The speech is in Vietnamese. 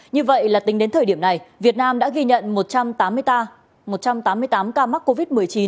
như vậy là tính đến thời điểm này việt nam đã ghi nhận một trăm tám mươi tám ca mắc covid một mươi chín